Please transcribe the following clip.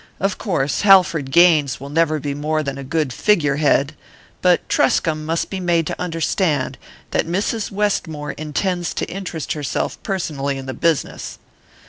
Of course Halford Gaines will never be more than a good figure head, but Truscomb must be made to understand that Mrs. Westmore intends to interest herself personally in the business."